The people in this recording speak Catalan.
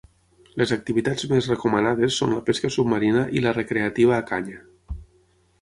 Les activitats més recomanades són la pesca submarina i la recreativa a canya.